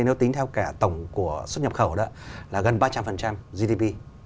nếu tính theo cả tổng của xuất nhập khẩu đó là gần ba trăm linh gdp